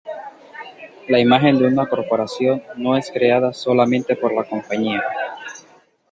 La imagen de una corporación no es creada solamente por la compañía.